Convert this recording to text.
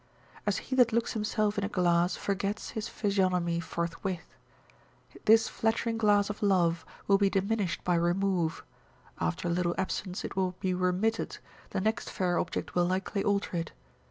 As he that looks himself in a glass forgets his physiognomy forthwith, this flattering glass of love will be diminished by remove; after a little absence it will be remitted, the next fair object will likely alter it.